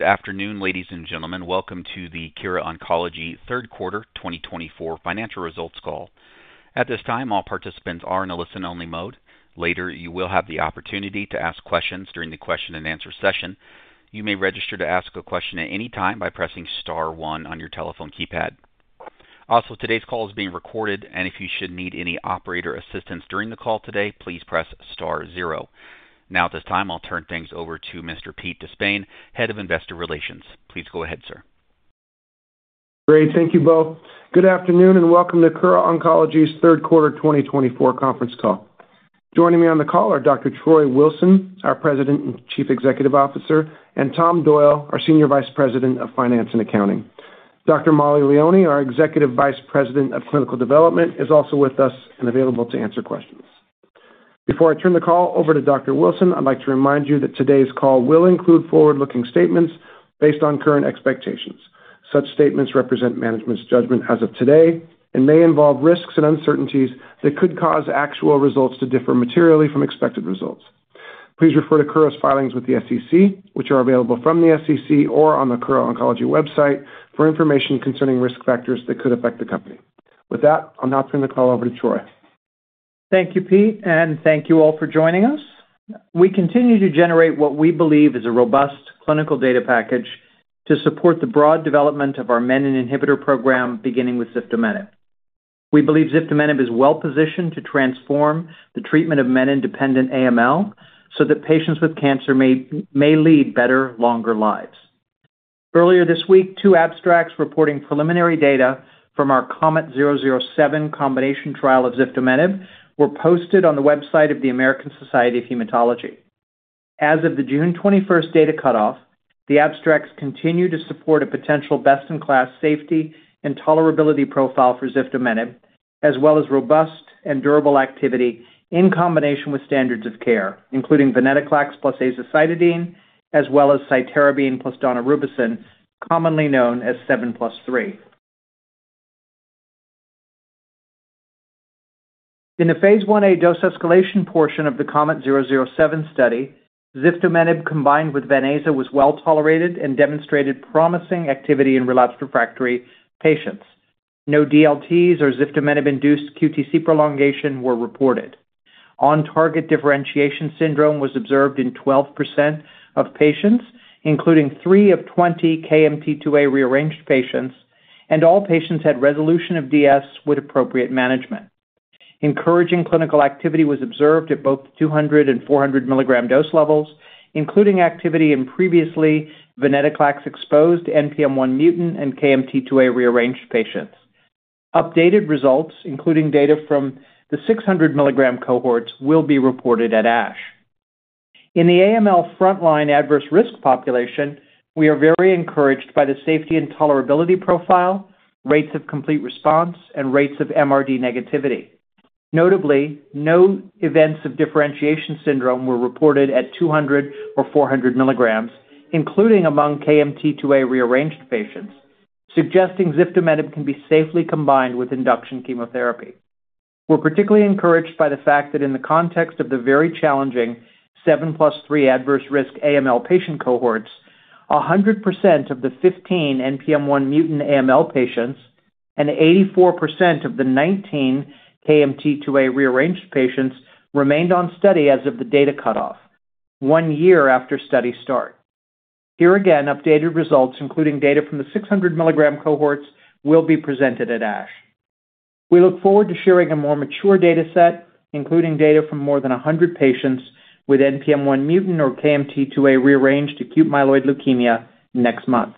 Good afternoon, ladies and gentlemen. Welcome to the Kura Oncology Q3 2024 financial results call. At this time, all participants are in a listen-only mode. Later, you will have the opportunity to ask questions during the question-and-answer session. You may register to ask a question at any time by pressing star one on your telephone keypad. Also, today's call is being recorded, and if you should need any operator assistance during the call today, please press star zero. Now, at this time, I'll turn things over to Mr. Pete De Spain, Head of Investor Relations. Please go ahead, sir. Great. Thank you both. Good afternoon and welcome to Kura Oncology Q3 2024 conference call. Joining me on the call are Dr. Troy Wilson, our President and Chief Executive Officer, and Tom Doyle, our Senior Vice President of Finance and Accounting. Dr. Mollie Leoni, our Executive Vice President of Clinical Development, is also with us and available to answer questions. Before I turn the call over to Dr. Wilson, I'd like to remind you that today's call will include forward-looking statements based on current expectations. Such statements represent management's judgment as of today and may involve risks and uncertainties that could cause actual results to differ materially from expected results. Please refer to Kura's filings with the SEC, which are available from the SEC or on the Kura Oncology website for information concerning risk factors that could affect the company. With that, I'll now turn the call over to Troy. Thank you, Pete, and thank you all for joining us. We continue to generate what we believe is a robust clinical data package to support the broad development of our menin inhibitor program, beginning with Ziftomenib. We believe Ziftomenib is well-positioned to transform the treatment of menin-dependent AML so that patients with cancer may lead better, longer lives. Earlier this week, two abstracts reporting preliminary data from our COMET-007 combination trial of Ziftomenib were posted on the website of the American Society of Hematology. As of the June 21st data cutoff, the abstracts continue to support a potential best-in-class safety and tolerability profile for Ziftomenib, as well as robust and durable activity in combination with standards of care, including venetoclax plus azacitidine, as well as cytarabine plus daunorubicin, commonly known as 7+3. In the phase 1A dose escalation portion of the COMET-007 study, zifdomenib combined with VenAza was well tolerated and demonstrated promising activity in relapsed refractory patients. No DLTs or zifdomenib-induced QTc prolongation were reported. On-target differentiation syndrome was observed in 12% of patients, including 3 of 20 KMT2A rearranged patients, and all patients had resolution of DS with appropriate management. Encouraging clinical activity was observed at both 200 and 400 milligram dose levels, including activity in previously venetoclax-exposed NPM1 mutant and KMT2A rearranged patients. Updated results, including data from the 600 milligram cohorts, will be reported at ASH. In the AML frontline adverse risk population, we are very encouraged by the safety and tolerability profile, rates of complete response, and rates of MRD negativity. Notably, no events of differentiation syndrome were reported at 200 or 400 milligrams, including among KMT2A-rearranged patients, suggesting zifdomenib can be safely combined with induction chemotherapy. We're particularly encouraged by the fact that in the context of the very challenging 7+3 adverse risk AML patient cohorts, 100% of the 15 NPM1-mutant AML patients and 84% of the 19 KMT2A-rearranged patients remained on study as of the data cutoff, one year after study start. Here again, updated results, including data from the 600 milligrams cohorts, will be presented at ASH. We look forward to sharing a more mature data set, including data from more than 100 patients with NPM1-mutant or KMT2A-rearranged acute myeloid leukemia next month.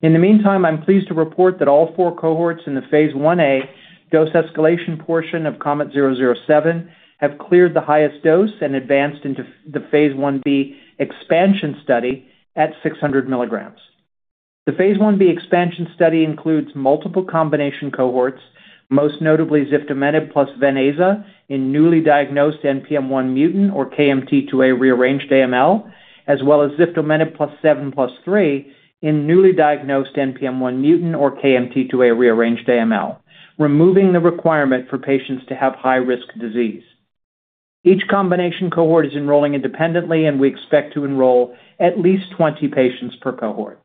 In the meantime, I'm pleased to report that all four cohorts in the phase 1A dose escalation portion of COMET-007 have cleared the highest dose and advanced into the phase 1B expansion study at 600 milligrams. The phase 1B expansion study includes multiple combination cohorts, most notably zifdomenib plus Ven/Aza in newly diagnosed NPM1-mutant or KMT2A-rearranged AML, as well as zifdomenib plus 7+3 in newly diagnosed NPM1-mutant or KMT2A-rearranged AML, removing the requirement for patients to have high-risk disease. Each combination cohort is enrolling independently, and we expect to enroll at least 20 patients per cohort.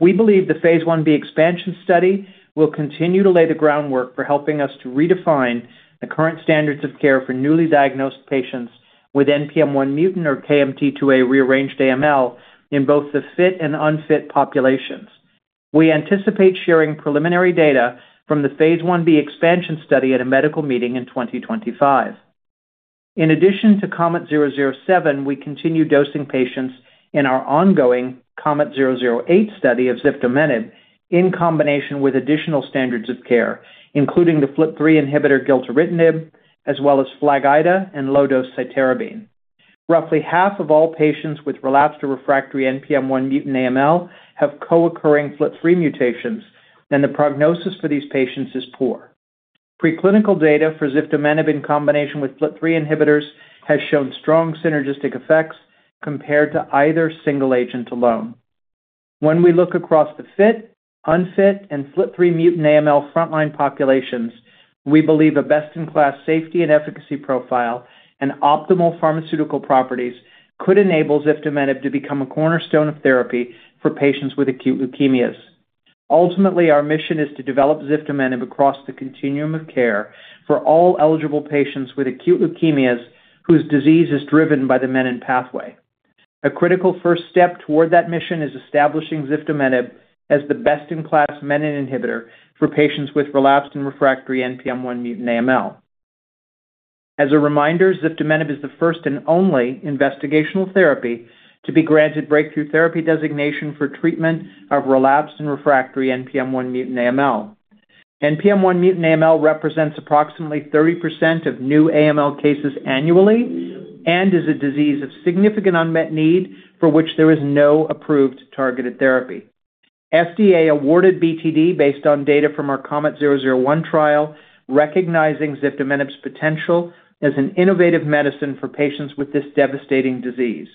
We believe the phase 1B expansion study will continue to lay the groundwork for helping us to redefine the current standards of care for newly diagnosed patients with NPM1-mutant or KMT2A-rearranged AML in both the fit and unfit populations. We anticipate sharing preliminary data from the phase 1B expansion study at a medical meeting in 2025. In addition to COMET-007, we continue dosing patients in our ongoing COMET-008 study of zifdomenib in combination with additional standards of care, including the FLT3 inhibitor gilteritinib, as well as FLAG-IDA and low-dose cytarabine. Roughly half of all patients with relapsed or refractory NPM1-mutant AML have co-occurring FLT3 mutations, and the prognosis for these patients is poor. Preclinical data for zifdomenib in combination with FLT3 inhibitors has shown strong synergistic effects compared to either single agent alone. When we look across the fit, unfit, and FLT3-mutant AML frontline populations, we believe a best-in-class safety and efficacy profile and optimal pharmaceutical properties could enable zifdomenib to become a cornerstone of therapy for patients with acute leukemias. Ultimately, our mission is to develop zifdomenib across the continuum of care for all eligible patients with acute leukemias whose disease is driven by the menin pathway. A critical first step toward that mission is establishing zifdomenib as the best-in-class menin inhibitor for patients with relapsed and refractory NPM1-mutant AML. As a reminder, zifdomenib is the first and only investigational therapy to be granted breakthrough therapy designation for treatment of relapsed and refractory NPM1-mutant AML. NPM1-mutant AML represents approximately 30% of new AML cases annually and is a disease of significant unmet need for which there is no approved targeted therapy. FDA awarded BTD based on data from our COMET-001 trial, recognizing zifdomenib's potential as an innovative medicine for patients with this devastating disease.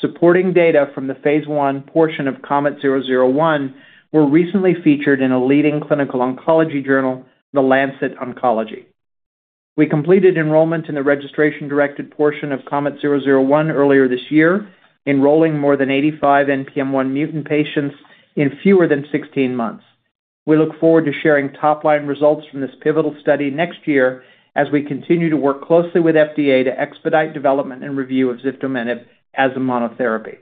Supporting data from the phase 1 portion of COMET-001 were recently featured in a leading clinical oncology journal, The Lancet Oncology. We completed enrollment in the registration-directed portion of COMET-001 earlier this year, enrolling more than 85 NPM1-mutant patients in fewer than 16 months. We look forward to sharing top-line results from this pivotal study next year as we continue to work closely with FDA to expedite development and review of zifdomenib as a monotherapy.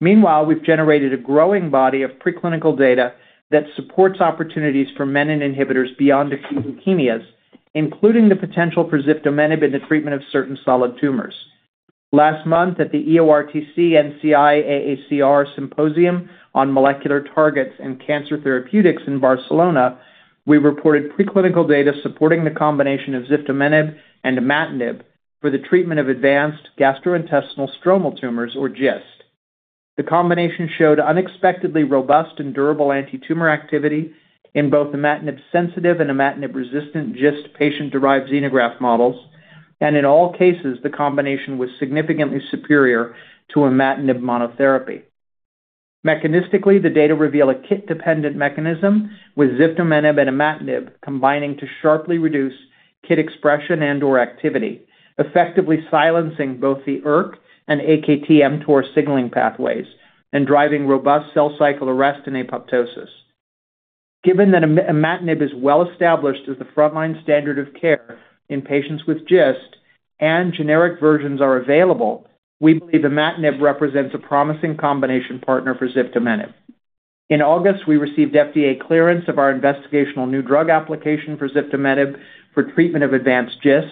Meanwhile, we've generated a growing body of preclinical data that supports opportunities for menin inhibitors beyond acute leukemias, including the potential for zifdomenib in the treatment of certain solid tumors. Last month, at the EORTC NCI AACR Symposium on Molecular Targets and Cancer Therapeutics in Barcelona, we reported preclinical data supporting the combination of zifdomenib and imatinib for the treatment of advanced gastrointestinal stromal tumors, or GIST. The combination showed unexpectedly robust and durable anti-tumor activity in both imatinib-sensitive and imatinib-resistant GIST patient-derived xenograft models, and in all cases, the combination was significantly superior to imatinib monotherapy. Mechanistically, the data reveal a KIT-dependent mechanism with zifdomenib and imatinib combining to sharply reduce KIT expression and/or activity, effectively silencing both the ERK and AKT-mTOR signaling pathways and driving robust cell cycle arrest and apoptosis. Given that imatinib is well-established as the frontline standard of care in patients with GIST and generic versions are available, we believe imatinib represents a promising combination partner for zifdomenib. In August, we received FDA clearance of our investigational new drug application for zifdomenib for treatment of advanced GIST.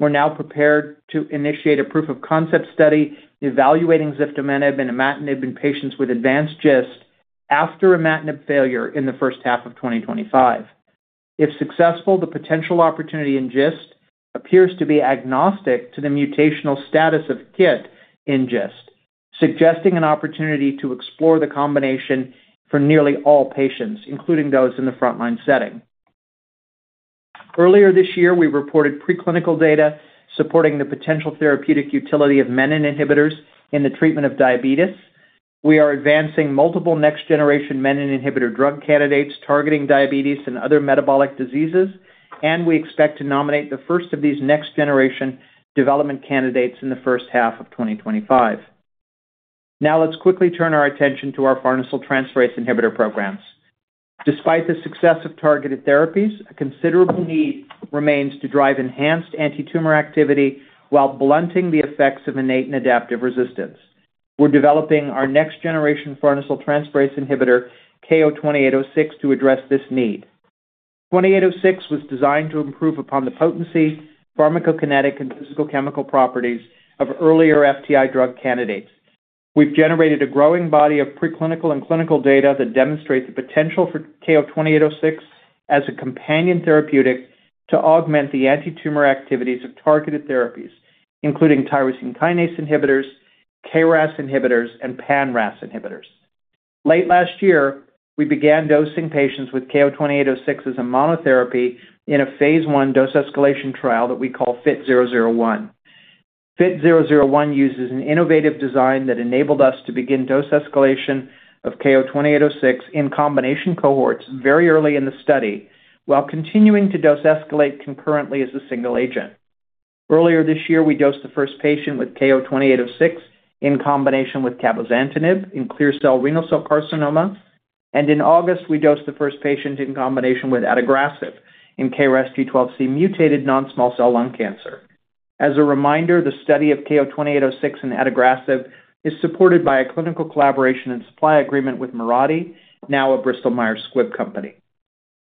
We're now prepared to initiate a proof of concept study evaluating zifdomenib and imatinib in patients with advanced GIST after imatinib failure in the first half of 2025. If successful, the potential opportunity in GIST appears to be agnostic to the mutational status of kit in GIST, suggesting an opportunity to explore the combination for nearly all patients, including those in the frontline setting. Earlier this year, we reported preclinical data supporting the potential therapeutic utility of menin inhibitors in the treatment of diabetes. We are advancing multiple next-generation menin inhibitor drug candidates targeting diabetes and other metabolic diseases, and we expect to nominate the first of these next-generation development candidates in the first half of 2025. Now, let's quickly turn our attention to our farnesyltransferase inhibitor programs. Despite the success of targeted therapies, a considerable need remains to drive enhanced anti-tumor activity while blunting the effects of innate and adaptive resistance. We're developing our next-generation farnesyltransferase inhibitor KO-2806 to address this need. KO-2806 was designed to improve upon the potency, pharmacokinetic, and physical chemical properties of earlier FTI drug candidates. We've generated a growing body of preclinical and clinical data that demonstrate the potential for KO-2806 as a companion therapeutic to augment the anti-tumor activities of targeted therapies, including tyrosine kinase inhibitors, KRAS inhibitors, and pan-RAS inhibitors. Late last year, we began dosing patients with KO-2806 as a monotherapy in a phase 1 dose escalation trial that we call FIT-001. FIT-001 uses an innovative design that enabled us to begin dose escalation of KO-2806 in combination cohorts very early in the study while continuing to dose escalate concurrently as a single agent. Earlier this year, we dosed the first patient with KO-2806 in combination with cabozantinib in clear cell renal cell carcinoma, and in August, we dosed the first patient in combination with adagrasib in KRAS G12C mutated non-small cell lung cancer. As a reminder, the study of KO2806 and adagrasib is supported by a clinical collaboration and supply agreement with Mirati, now a Bristol Myers Squibb company.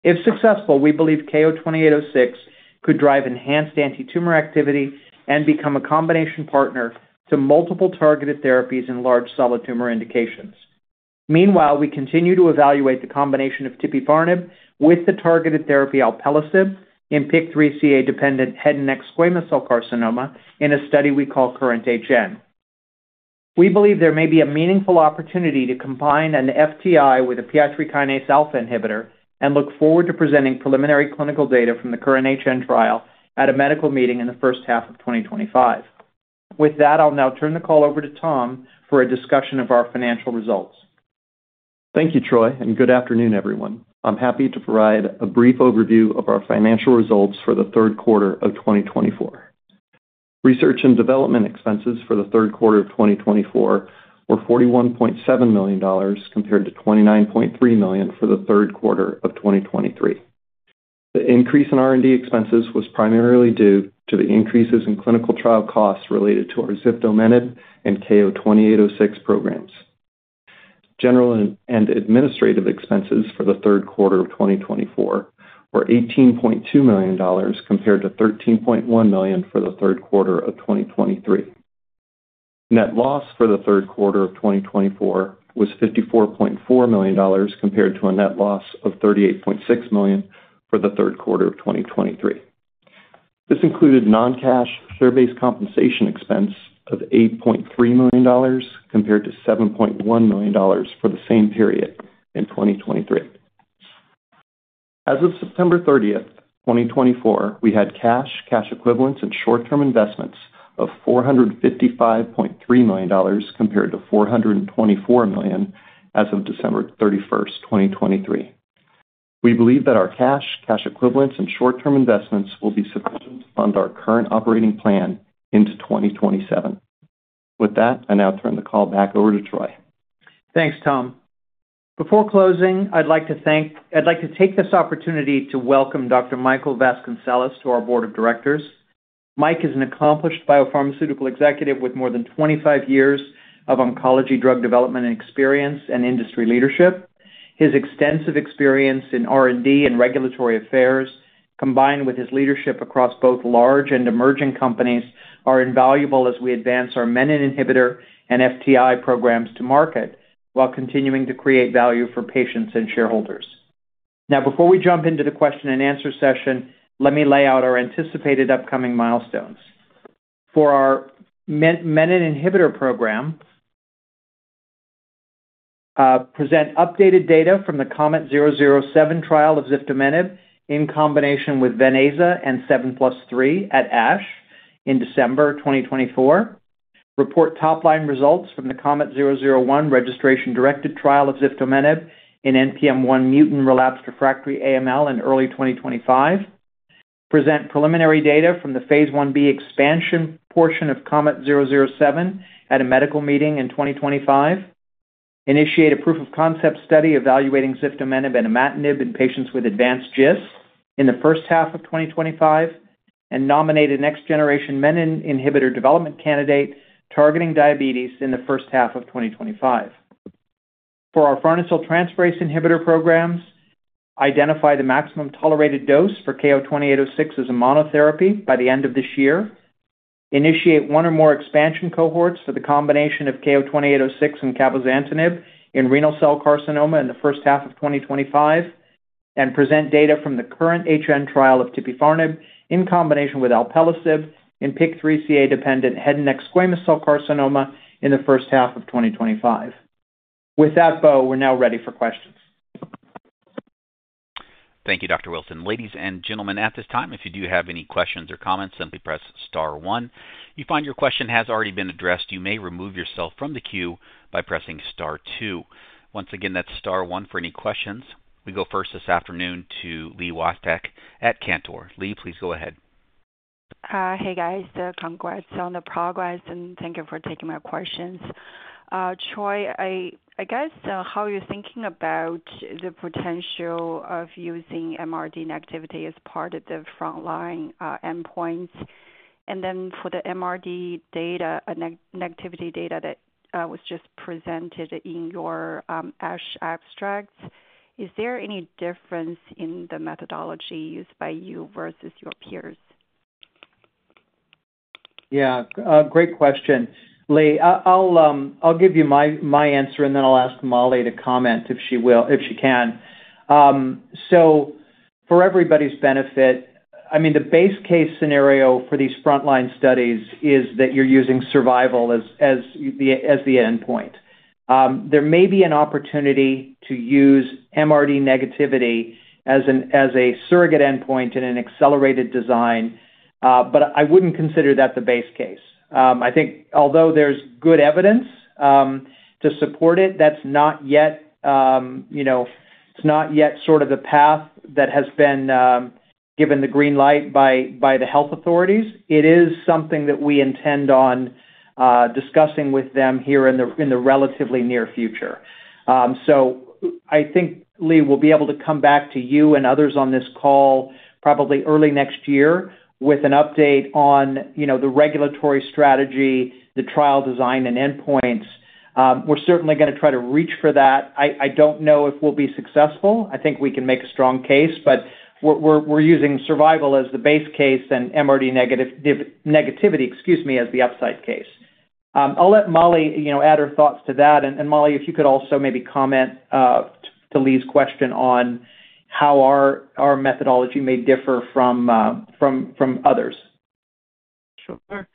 If successful, we believe KO2806 could drive enhanced anti-tumor activity and become a combination partner to multiple targeted therapies in large solid tumor indications. Meanwhile, we continue to evaluate the combination of tipifarnib with the targeted therapy alpelisib in PIK3CA-dependent head and neck squamous cell carcinoma in a study we call KURRENT-HN. We believe there may be a meaningful opportunity to combine an FTI with a PI3 kinase alpha inhibitor and look forward to presenting preliminary clinical data from the KURRENT-HN trial at a medical meeting in the first half of 2025. With that, I'll now turn the call over to Tom for a discussion of our financial results. Thank you, Troy, and good afternoon, everyone. I'm happy to provide a brief overview of our financial results for the third quarter of 2024. Research and development expenses for the third quarter of 2024 were $41.7 million compared to $29.3 million for the third quarter of 2023. The increase in R&D expenses was primarily due to the increases in clinical trial costs related to our zifdomenib and KO2806 programs. General and administrative expenses for the third quarter of 2024 were $18.2 million compared to $13.1 million for the third quarter of 2023. Net loss for the third quarter of 2024 was $54.4 million compared to a net loss of $38.6 million for the third quarter of 2023. This included non-cash, share-based compensation expense of $8.3 million compared to $7.1 million for the same period in 2023. As of September 30th, 2024, we had cash, cash equivalents, and short-term investments of $455.3 million compared to $424 million as of December 31st, 2023. We believe that our cash, cash equivalents, and short-term investments will be sufficient to fund our current operating plan into 2027. With that, I now turn the call back over to Troy. Thanks, Tom. Before closing, I'd like to take this opportunity to welcome Dr. Michael Vasconcellos to our board of directors. Mike is an accomplished biopharmaceutical executive with more than 25 years of oncology drug development and experience and industry leadership. His extensive experience in R&D and regulatory affairs, combined with his leadership across both large and emerging companies, are invaluable as we advance our menin inhibitor and FTI programs to market while continuing to create value for patients and shareholders. Now, before we jump into the question-and-answer session, let me lay out our anticipated upcoming milestones. For our menin inhibitor program, present updated data from the COMET-007 trial of zifdomenib in combination with Veneza and 7+3 at ASH in December 2024. Report top-line results from the COMET-001 registration-directed trial of zifdomenib in NPM1-mutant relapsed refractory AML in early 2025. Present preliminary data from the phase 1B expansion portion of COMET-007 at a medical meeting in 2025. Initiate a proof of concept study evaluating zifdomenib and imatinib in patients with advanced GIST in the first half of 2025 and nominate a next-generation menin inhibitor development candidate targeting diabetes in the first half of 2025. For our farnesyltransferase inhibitor programs, identify the maximum tolerated dose for KO2806 as a monotherapy by the end of this year. Initiate one or more expansion cohorts for the combination of KO2806 and cabozantinib in renal cell carcinoma in the first half of 2025 and present data from the KURRENT-HN trial of tipifarnib in combination with alpelisib in PIK3CA-dependent head and neck squamous cell carcinoma in the first half of 2025. With that, Bo, we're now ready for questions. Thank you, Dr. Wilson. Ladies and gentlemen, at this time, if you do have any questions or comments, simply press star one. If you find your question has already been addressed, you may remove yourself from the queue by pressing star two. Once again, that's star one for any questions. We go first this afternoon to Li Watsek at Cantor. Li, please go ahead. Hey, guys. Congrats on the progress and thank you for taking my questions. Troy, I guess how you're thinking about the potential of using MRD negativity as part of the frontline endpoints. And then for the MRD data, negativity data that was just presented in your ASH abstracts, is there any difference in the methodology used by you versus your peers? Yeah. Great question, Lee. I'll give you my answer, and then I'll ask Mollie to comment if she can. So for everybody's benefit, I mean, the base case scenario for these frontline studies is that you're using survival as the endpoint. There may be an opportunity to use MRD negativity as a surrogate endpoint in an accelerated design, but I wouldn't consider that the base case. I think although there's good evidence to support it, that's not yet, it's not yet sort of the path that has been given the green light by the health authorities. It is something that we intend on discussing with them here in the relatively near future. So I think, Li, we'll be able to come back to you and others on this call probably early next year with an update on the regulatory strategy, the trial design, and endpoints. We're certainly going to try to reach for that. I don't know if we'll be successful. I think we can make a strong case, but we're using survival as the base case and MRD negativity, excuse me, as the upside case. I'll let Mollie add her thoughts to that. And Mollie, if you could also maybe comment to Li's question on how our methodology may differ from others. Sure.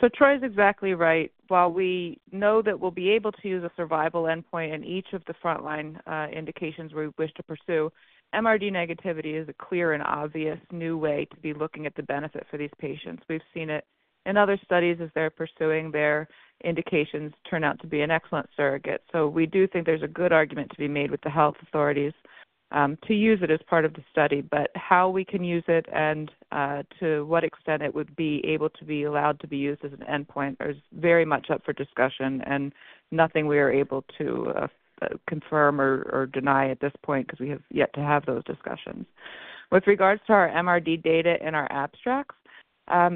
So Troy is exactly right. While we know that we'll be able to use a survival endpoint in each of the frontline indications we wish to pursue, MRD negativity is a clear and obvious new way to be looking at the benefit for these patients. We've seen it in other studies as they're pursuing their indications turn out to be an excellent surrogate. So we do think there's a good argument to be made with the health authorities to use it as part of the study, but how we can use it and to what extent it would be able to be allowed to be used as an endpoint is very much up for discussion and nothing we are able to confirm or deny at this point because we have yet to have those discussions. With regards to our MRD data in our abstracts,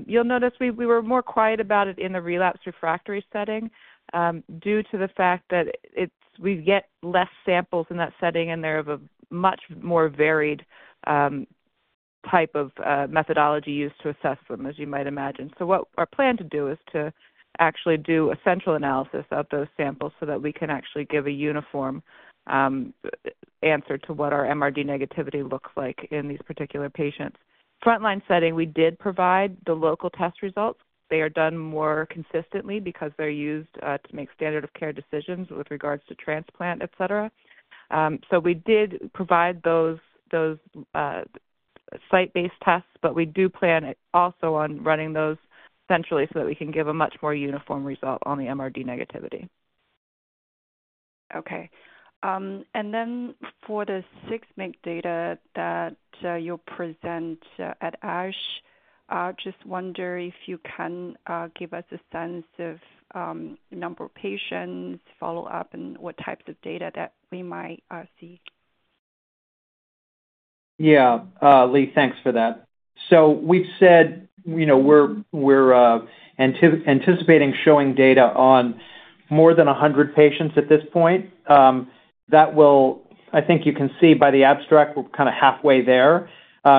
you'll notice we were more quiet about it in the relapsed refractory setting due to the fact that we get less samples in that setting, and they're of a much more varied type of methodology used to assess them, as you might imagine. So what we're planning to do is to actually do a central analysis of those samples so that we can actually give a uniform answer to what our MRD negativity looks like in these particular patients. Frontline setting, we did provide the local test results. They are done more consistently because they're used to make standard of care decisions with regards to transplant, etc. So we did provide those site-based tests, but we do plan also on running those centrally so that we can give a much more uniform result on the MRD negativity. Okay. And then for the six-month data that you'll present at ASH, I just wonder if you can give us a sense of number of patients, follow-up, and what types of data that we might see. Yeah. Li, thanks for that. So we've said we're anticipating showing data on more than 100 patients at this point. That will, I think you can see by the abstract, we're kind of halfway there.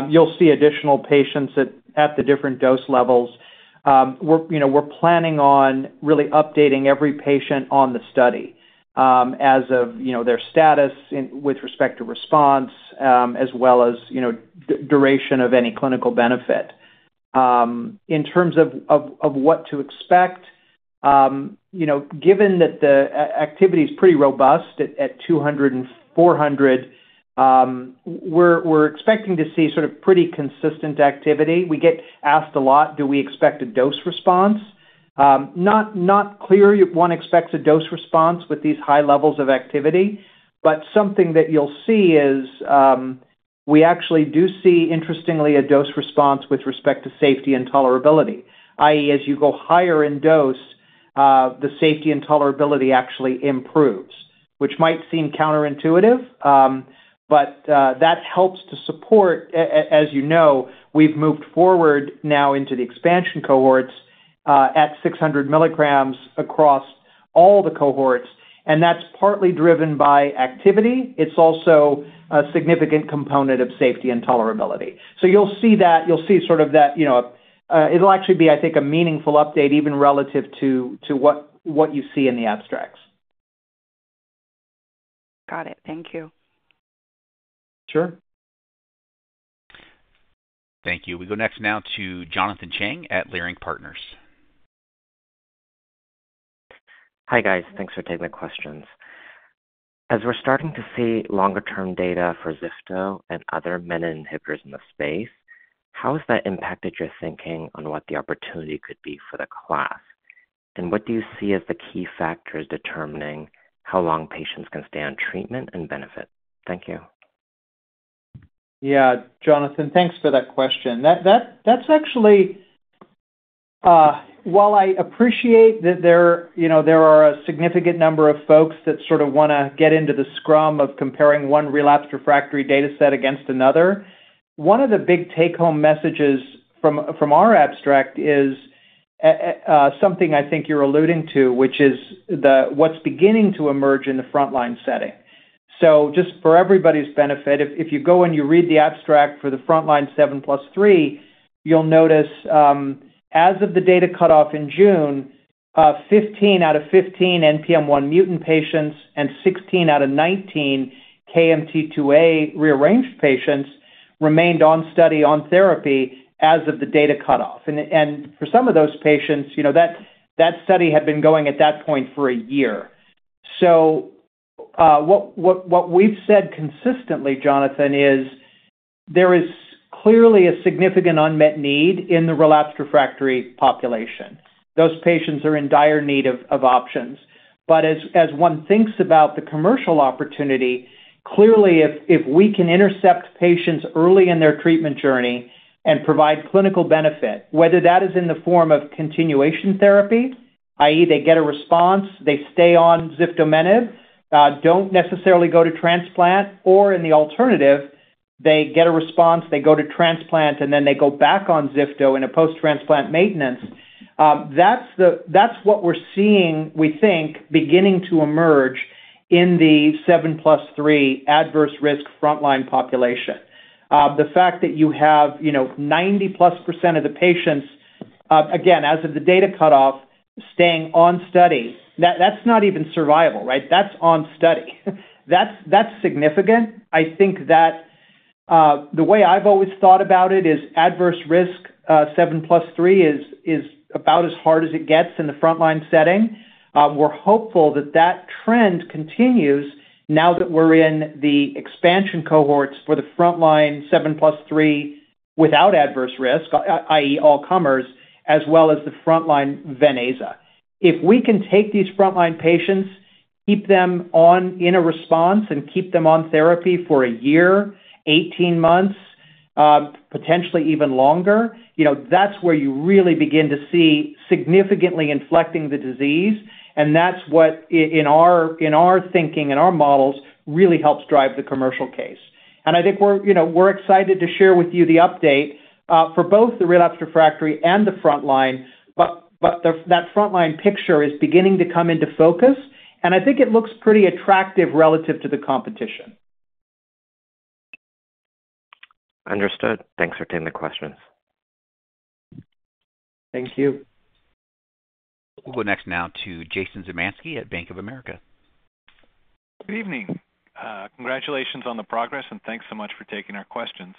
You'll see additional patients at the different dose levels. We're planning on really updating every patient on the study as of their status with respect to response as well as duration of any clinical benefit. In terms of what to expect, given that the activity is pretty robust at 200 and 400, we're expecting to see sort of pretty consistent activity. We get asked a lot, "Do we expect a dose response?" Not clear one expects a dose response with these high levels of activity, but something that you'll see is we actually do see, interestingly, a dose response with respect to safety and tolerability, i.e., as you go higher in dose, the safety and tolerability actually improves, which might seem counterintuitive, but that helps to support. As you know, we've moved forward now into the expansion cohorts at 600 milligrams across all the cohorts, and that's partly driven by activity. It's also a significant component of safety and tolerability. So you'll see that. You'll see sort of that it'll actually be, I think, a meaningful update even relative to what you see in the abstracts. Got it. Thank you. Sure. Thank you. We go next now to Jonathan Chang at Leerink Partners. Hi, guys. Thanks for taking the questions. As we're starting to see longer-term data for Zifto and other menin inhibitors in the space, how has that impacted your thinking on what the opportunity could be for the class? And what do you see as the key factors determining how long patients can stay on treatment and benefit? Thank you. Yeah. Jonathan, thanks for that question. That's actually, while I appreciate that there are a significant number of folks that sort of want to get into the scrum of comparing one relapsed refractory data set against another, one of the big take-home messages from our abstract is something I think you're alluding to, which is what's beginning to emerge in the frontline setting. So just for everybody's benefit, if you go and you read the abstract for the frontline 7+3, you'll notice as of the data cutoff in June, 15 out of 15 NPM1-mutant patients and 16 out of 19 KMT2A-rearranged patients remained on study on therapy as of the data cutoff. And for some of those patients, that study had been going at that point for a year. So what we've said consistently, Jonathan, is there is clearly a significant unmet need in the relapsed refractory population. Those patients are in dire need of options. But as one thinks about the commercial opportunity, clearly, if we can intercept patients early in their treatment journey and provide clinical benefit, whether that is in the form of continuation therapy, i.e., they get a response, they stay on zifdomenib, don't necessarily go to transplant, or in the alternative, they get a response, they go to transplant, and then they go back on Zifto in a post-transplant maintenance, that's what we're seeing, we think, beginning to emerge in the 7+3 adverse risk frontline population. The fact that you have 90-plus% of the patients, again, as of the data cutoff, staying on study, that's not even survival, right? That's on study. That's significant. I think that the way I've always thought about it is adverse risk 7+3 is about as hard as it gets in the frontline setting. We're hopeful that that trend continues now that we're in the expansion cohorts for the frontline 7+3 without adverse risk, i.e., all comers, as well as the frontline Veneza. If we can take these frontline patients, keep them in a response, and keep them on therapy for a year, 18 months, potentially even longer, that's where you really begin to see significantly inflecting the disease. And that's what, in our thinking and our models, really helps drive the commercial case. And I think we're excited to share with you the update for both the relapsed refractory and the frontline, but that frontline picture is beginning to come into focus. And I think it looks pretty attractive relative to the competition. Understood. Thanks for taking the questions. Thank you. We'll go next now to Jason Zemansky at Bank of America. Good evening. Congratulations on the progress, and thanks so much for taking our questions.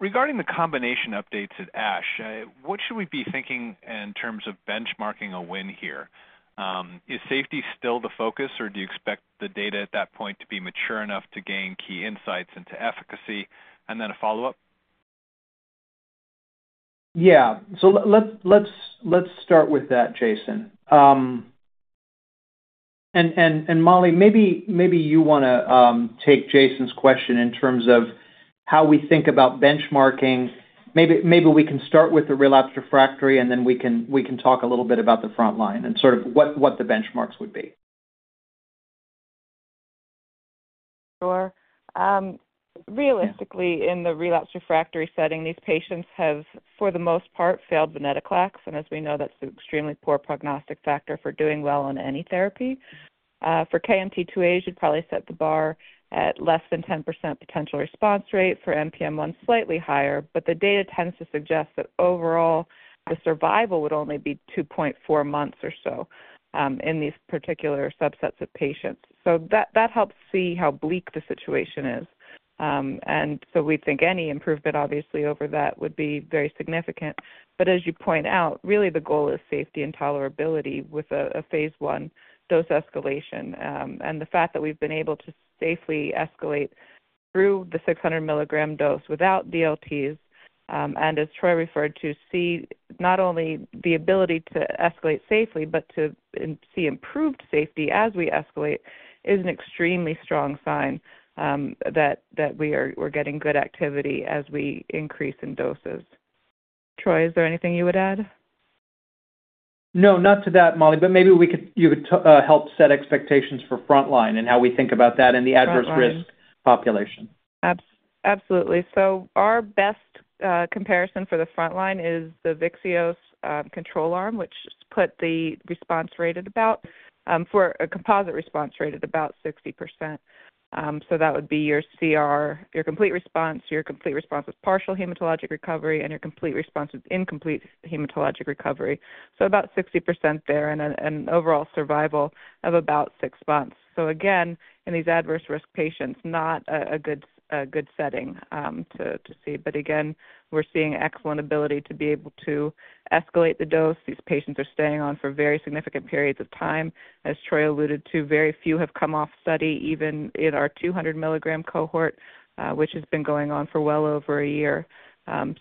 Regarding the combination updates at ASH, what should we be thinking in terms of benchmarking a win here? Is safety still the focus, or do you expect the data at that point to be mature enough to gain key insights into efficacy and then a follow-up? Yeah, so let's start with that, Jason, and Mollie, maybe you want to take Jason's question in terms of how we think about benchmarking. Maybe we can start with the relapsed refractory, and then we can talk a little bit about the frontline and sort of what the benchmarks would be. Sure. Realistically, in the relapsed refractory setting, these patients have, for the most part, failed venetoclax. And as we know, that's an extremely poor prognostic factor for doing well on any therapy. For KMT2A, you'd probably set the bar at less than 10% potential response rate. For NPM1, slightly higher. But the data tends to suggest that overall, the survival would only be 2.4 months or so in these particular subsets of patients. So that helps see how bleak the situation is. And so we think any improvement, obviously, over that would be very significant. But as you point out, really, the goal is safety and tolerability with a phase 1 dose escalation. And the fact that we've been able to safely escalate through the 600 milligram dose without DLTs, and as Troy referred to, see not only the ability to escalate safely, but to see improved safety as we escalate is an extremely strong sign that we're getting good activity as we increase in doses. Troy, is there anything you would add? No, not to that, Mollie, but maybe you could help set expectations for frontline and how we think about that and the adverse risk population. Absolutely. So our best comparison for the frontline is the Vyxeos control arm, which put the response rate at about for a composite response rate at about 60%. So that would be your CR, your complete response, your complete response with partial hematologic recovery, and your complete response with incomplete hematologic recovery. So about 60% there and an overall survival of about six months. So again, in these adverse risk patients, not a good setting to see. But again, we're seeing excellent ability to be able to escalate the dose. These patients are staying on for very significant periods of time. As Troy alluded to, very few have come off study even in our 200-milligram cohort, which has been going on for well over a year.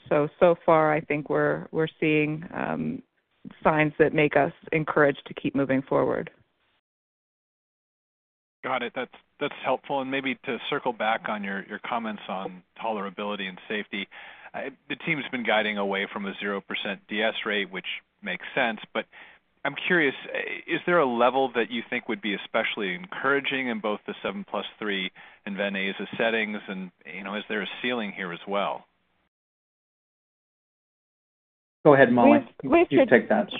So far, I think we're seeing signs that make us encouraged to keep moving forward. Got it. That's helpful, and maybe to circle back on your comments on tolerability and safety, the team's been guiding away from a 0% DS rate, which makes sense, but I'm curious, is there a level that you think would be especially encouraging in both the 7+3 and Veneza settings, and is there a ceiling here as well? Go ahead, Molly.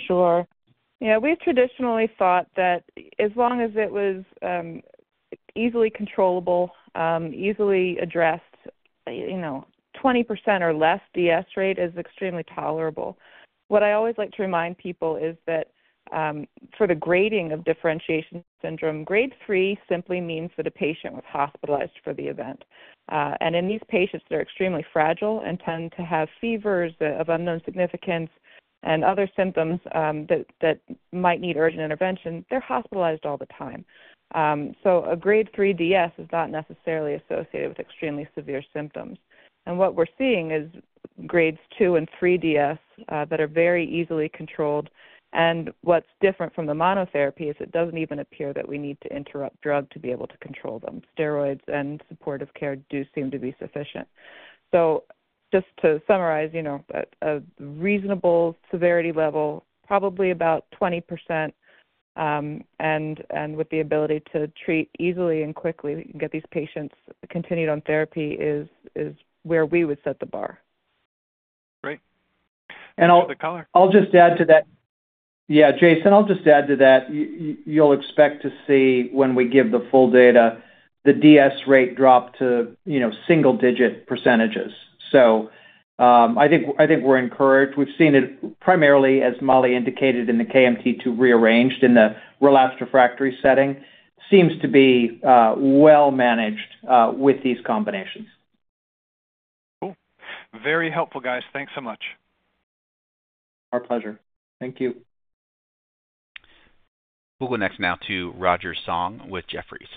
Sure. Yeah. We've traditionally thought that as long as it was easily controllable, easily addressed, 20% or less DS rate is extremely tolerable. What I always like to remind people is that for the grading of differentiation syndrome, grade three simply means that a patient was hospitalized for the event, and in these patients that are extremely fragile and tend to have fevers of unknown significance and other symptoms that might need urgent intervention, they're hospitalized all the time, so a grade three DS is not necessarily associated with extremely severe symptoms, and what we're seeing is grades two and three DS that are very easily controlled, and what's different from the monotherapy is it doesn't even appear that we need to interrupt drug to be able to control them. Steroids and supportive care do seem to be sufficient. So just to summarize, a reasonable severity level, probably about 20%, and with the ability to treat easily and quickly, we can get these patients continued on therapy is where we would set the bar. Great. And I'll just add to that. Yeah, Jason, I'll just add to that. You'll expect to see when we give the full data, the DS rate drop to single-digit percentages. So I think we're encouraged. We've seen it primarily, as Mollie indicated in the KMT2A-rearranged in the relapsed refractory setting, seems to be well managed with these combinations. Cool. Very helpful, guys. Thanks so much. Our pleasure. Thank you. We'll go next now to Roger Song with Jefferies.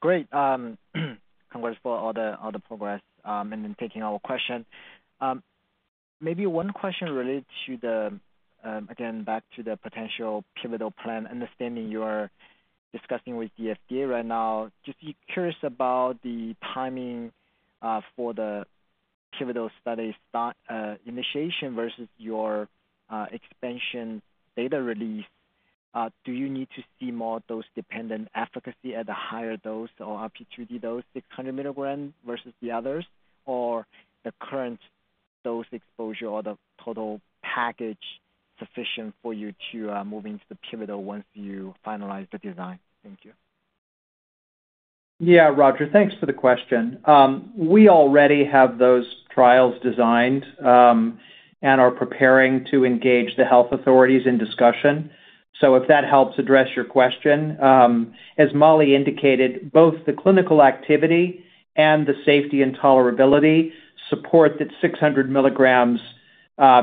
Great. Congrats for all the progress and then taking our question. Maybe one question related to the, again, back to the potential pivotal plan, understanding you're discussing with FDA right now. Just curious about the timing for the pivotal study initiation versus your expansion data release. Do you need to see more dose-dependent efficacy at a higher dose or RP2D dose, 600 milligram versus the others, or the current dose exposure or the total package sufficient for you to move into the pivotal once you finalize the design? Thank you. Yeah, Roger. Thanks for the question. We already have those trials designed and are preparing to engage the health authorities in discussion. So if that helps address your question. As Mollie indicated, both the clinical activity and the safety and tolerability support that 600 milligrams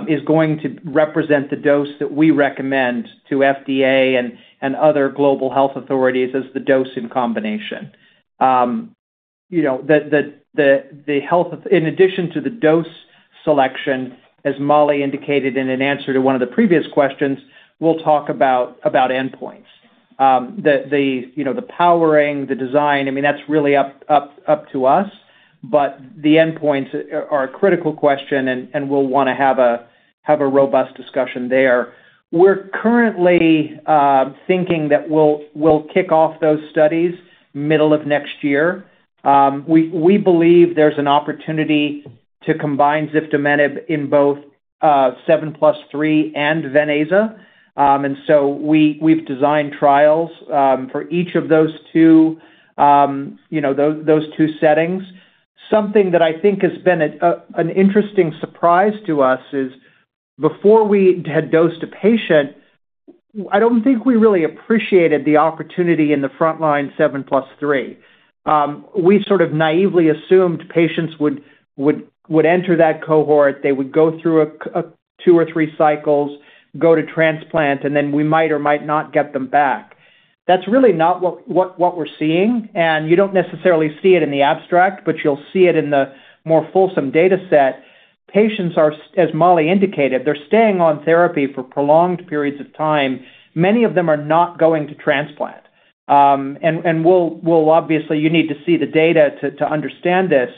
is going to represent the dose that we recommend to FDA and other global health authorities as the dose in combination. In addition to the dose selection, as Mollie indicated in an answer to one of the previous questions, we'll talk about endpoints. The powering, the design, I mean, that's really up to us. But the endpoints are a critical question, and we'll want to have a robust discussion there. We're currently thinking that we'll kick off those studies middle of next year. We believe there's an opportunity to combine zifdomenib in both 7+3 and Veneza. And so we've designed trials for each of those two settings. Something that I think has been an interesting surprise to us is before we had dosed a patient, I don't think we really appreciated the opportunity in the frontline 7+3. We sort of naively assumed patients would enter that cohort, they would go through two or three cycles, go to transplant, and then we might or might not get them back. That's really not what we're seeing. And you don't necessarily see it in the abstract, but you'll see it in the more fulsome data set. Patients are, as Mollie indicated, they're staying on therapy for prolonged periods of time. Many of them are not going to transplant. And obviously, you need to see the data to understand this.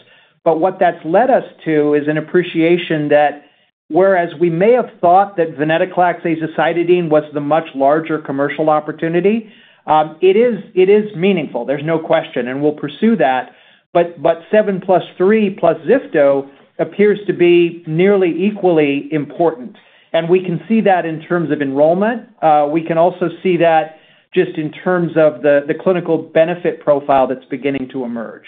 But what that's led us to is an appreciation that whereas we may have thought that venetoclax/azacitidine was the much larger commercial opportunity, it is meaningful. There's no question. And we'll pursue that. But 7+3 plus Zifto appears to be nearly equally important. And we can see that in terms of enrollment. We can also see that just in terms of the clinical benefit profile that's beginning to emerge.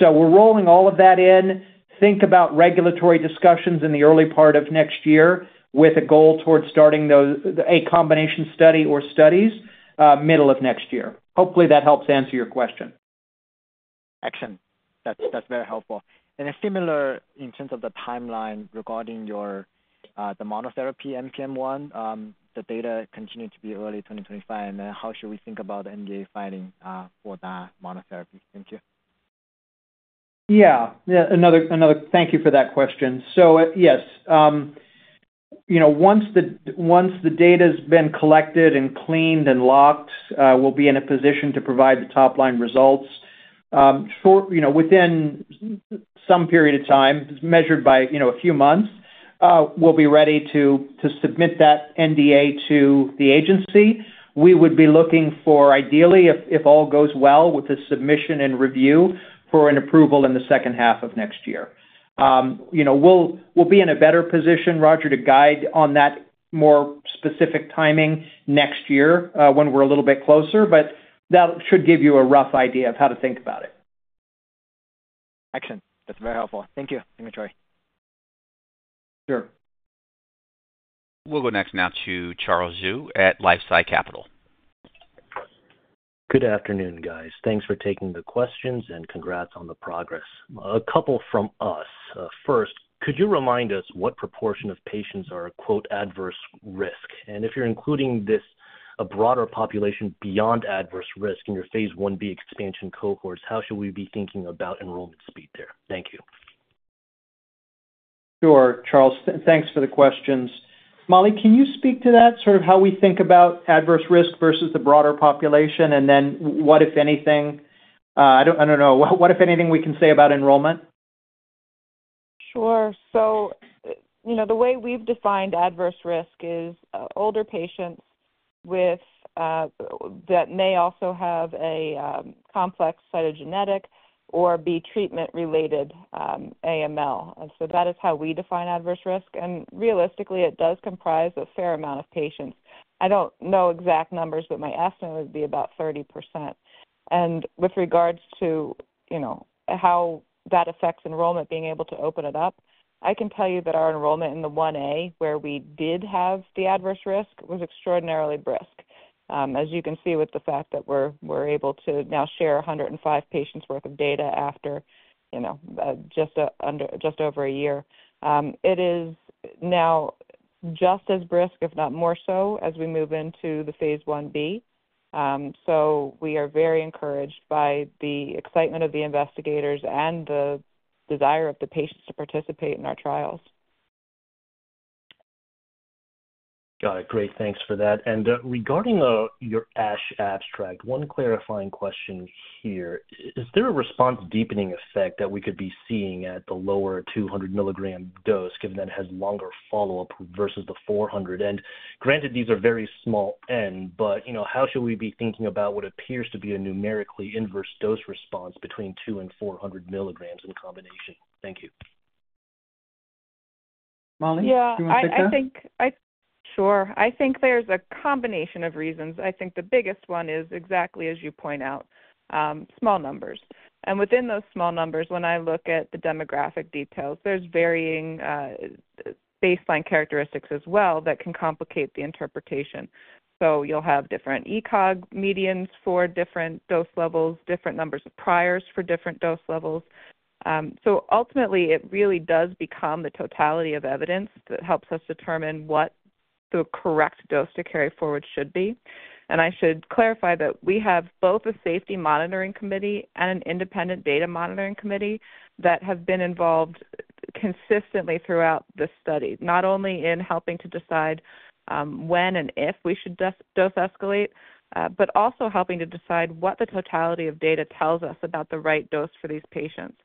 So we're rolling all of that in. Think about regulatory discussions in the early part of next year with a goal towards starting a combination study or studies middle of next year. Hopefully, that helps answer your question. Excellent. That's very helpful. And a similar in terms of the timeline regarding the monotherapy NPM1, the data continued to be early 2025. And then how should we think about the NDA filing for that monotherapy? Thank you. Yeah. Thank you for that question. So yes, once the data's been collected and cleaned and locked, we'll be in a position to provide the top-line results. Within some period of time, measured by a few months, we'll be ready to submit that NDA to the agency. We would be looking for, ideally, if all goes well with the submission and review, for an approval in the second half of next year. We'll be in a better position, Roger, to guide on that more specific timing next year when we're a little bit closer. But that should give you a rough idea of how to think about it. Excellent. That's very helpful. Thank you. Thank you, Troy. Sure. We'll go next now to Charles Zhu at LifeSci Capital. Good afternoon, guys. Thanks for taking the questions and congrats on the progress. A couple from us. First, could you remind us what proportion of patients are "adverse risk"? And if you're including a broader population beyond adverse risk in your phase 1b expansion cohorts, how should we be thinking about enrollment speed there? Thank you. Sure. Charles, thanks for the questions. Mollie, can you speak to that, sort of how we think about adverse risk versus the broader population? And then what, if anything—I don't know. What, if anything, we can say about enrollment? Sure. So the way we've defined adverse risk is older patients that may also have a complex cytogenetic or be treatment-related AML. And so that is how we define adverse risk. And realistically, it does comprise a fair amount of patients. I don't know exact numbers, but my estimate would be about 30%. And with regards to how that affects enrollment, being able to open it up, I can tell you that our enrollment in the 1A, where we did have the adverse risk, was extraordinarily brisk. As you can see with the fact that we're able to now share 105 patients' worth of data after just over a year. It is now just as brisk, if not more so, as we move into the phase 1B. So we are very encouraged by the excitement of the investigators and the desire of the patients to participate in our trials. Got it. Great. Thanks for that. And regarding your ASH abstract, one clarifying question here. Is there a response deepening effect that we could be seeing at the lower 200 milligram dose, given that it has longer follow-up versus the 400? Granted, these are very small N, but how should we be thinking about what appears to be a numerically inverse dose response between two and 400 milligrams in combination? Thank you. Mollie? Do you want to take that? Sure. I think there's a combination of reasons. I think the biggest one is exactly as you point out, small numbers. Within those small numbers, when I look at the demographic details, there's varying baseline characteristics as well that can complicate the interpretation. You'll have different ECOG medians for different dose levels, different numbers of priors for different dose levels. Ultimately, it really does become the totality of evidence that helps us determine what the correct dose to carry forward should be. I should clarify that we have both a safety monitoring committee and an independent data monitoring committee that have been involved consistently throughout the study, not only in helping to decide when and if we should dose escalate, but also helping to decide what the totality of data tells us about the right dose for these patients.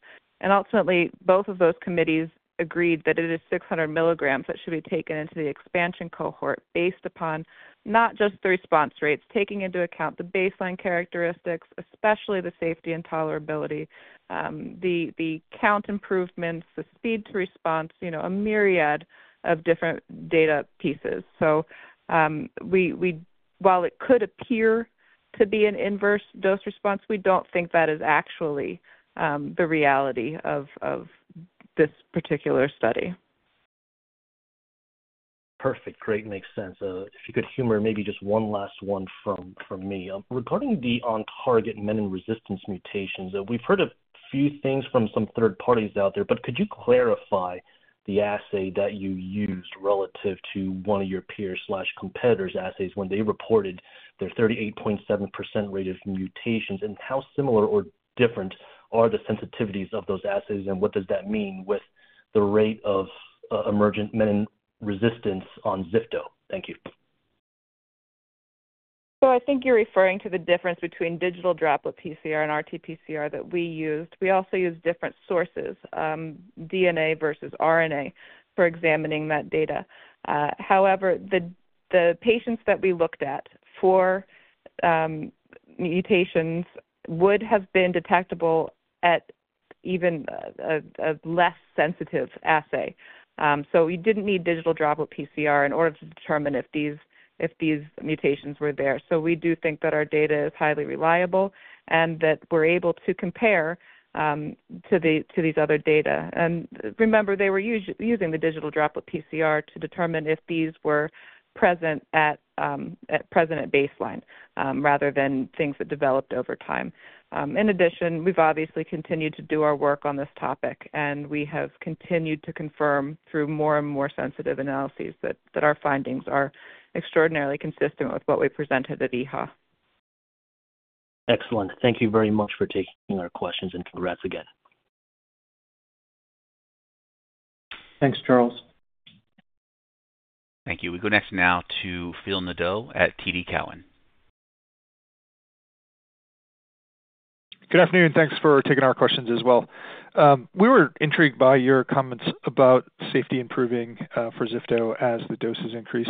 Ultimately, both of those committees agreed that it is 600 milligrams that should be taken into the expansion cohort based upon not just the response rates, taking into account the baseline characteristics, especially the safety and tolerability, the count improvements, the speed to response, a myriad of different data pieces. So while it could appear to be an inverse dose response, we don't think that is actually the reality of this particular study. Perfect. Great. Makes sense. If you could humor maybe just one last one from me. Regarding the OnTarget menin resistance mutations, we've heard a few things from some third parties out there. But could you clarify the assay that you used relative to one of your peers/competitors' assays when they reported their 38.7% rate of mutations? And how similar or different are the sensitivities of those assays? And what does that mean with the rate of emergent menin resistance on Zifto? Thank you. So I think you're referring to the difference between digital droplet PCR and RT-PCR that we used. We also use different sources, DNA versus RNA, for examining that data. However, the patients that we looked at for mutations would have been detectable at even a less sensitive assay. So we didn't need digital droplet PCR in order to determine if these mutations were there. So we do think that our data is highly reliable and that we're able to compare to these other data. And remember, they were using the digital droplet PCR to determine if these were present at baseline rather than things that developed over time. In addition, we've obviously continued to do our work on this topic. And we have continued to confirm through more and more sensitive analyses that our findings are extraordinarily consistent with what we presented at EHA. Excellent. Thank you very much for taking our questions. And congrats again. Thanks, Charles. Thank you. We go next now to Phil Nadeau at TD Cowen. Good afternoon. Thanks for taking our questions as well. We were intrigued by your comments about safety improving for Zifto as the doses increase.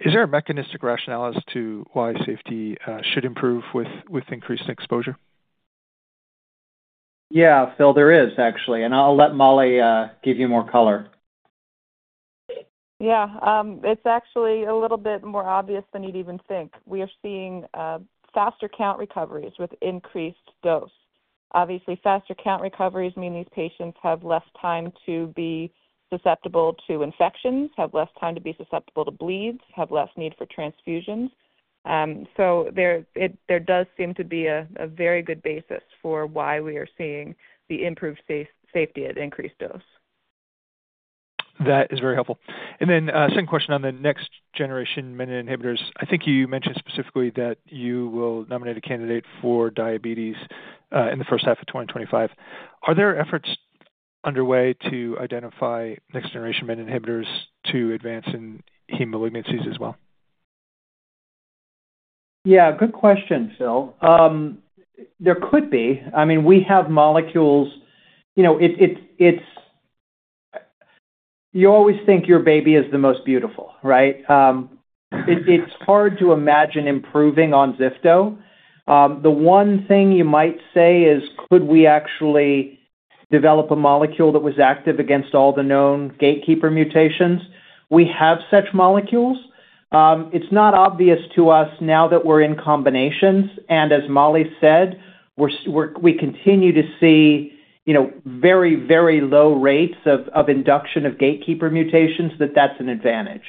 Is there a mechanistic rationale as to why safety should improve with increased exposure? Yeah, Phil, there is, actually. And I'll let Mollie give you more color. Yeah. It's actually a little bit more obvious than you'd even think. We are seeing faster count recoveries with increased dose. Obviously, faster count recoveries mean these patients have less time to be susceptible to infections, have less time to be susceptible to bleeds, have less need for transfusions. So there does seem to be a very good basis for why we are seeing the improved safety at increased dose. That is very helpful. And then second question on the next-generation menin inhibitors. I think you mentioned specifically that you will nominate a candidate for diabetes in the first half of 2025. Are there efforts underway to identify next-generation menin inhibitors to advance in hematologic malignancies as well? \ Yeah. Good question, Phil. There could be. I mean, we have molecules. You always think your baby is the most beautiful, right? It's hard to imagine improving on Zifto. The one thing you might say is, could we actually develop a molecule that was active against all the known gatekeeper mutations? We have such molecules. It's not obvious to us now that we're in combinations. And as Mollie said, we continue to see very, very low rates of induction of gatekeeper mutations, that that's an advantage.